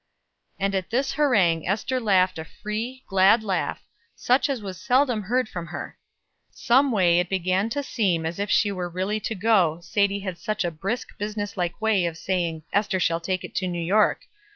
And at this harangue Ester laughed a free, glad laugh, such as was seldom heard from her. Some way it began to seem as if she were really to go, Sadie had such a brisk, business like way of saying "Ester shall take it to New York."